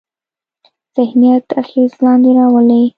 ذهنیت اغېز لاندې راولي.